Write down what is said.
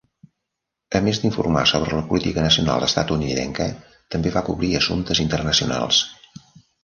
A més d'informar sobre la política nacional estatunidenca, també va cobrir assumptes internacionals.